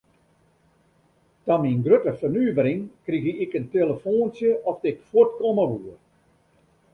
Ta myn grutte fernuvering krige ik in telefoantsje oft ik fuort komme woe.